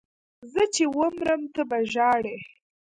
زه چې ومرم ته به ژاړې